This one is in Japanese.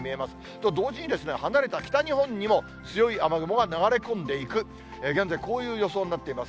と同時に、離れた北日本にも強い雨雲が流れ込んでいく、現在、こういう予想になっています。